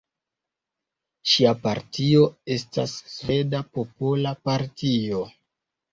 Ŝia partio estas Sveda Popola Partio.